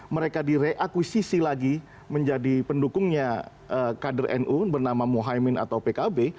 mereka direakuisisi lagi menjadi pendukungnya kader nu bernama mohaimin atau pkb